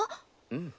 うん。